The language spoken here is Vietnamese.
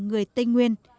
và người tây nguyên